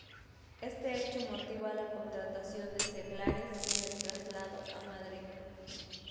Este hecho motiva la contratación de seglares y el traslado a Madrid.